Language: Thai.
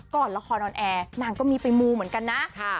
ก่อนละครออนแอร์นางก็มีไปมูเหมือนกันนะ